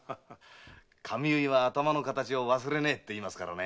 髪結いは頭の形を忘れないって言いますからね。